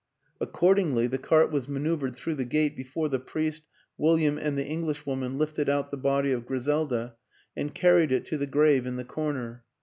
Accordingly, the cart was maneuvered through the gate before the priest, William and the Eng lishwoman lifted out the body of Griselda and carried it to the grave in the corner.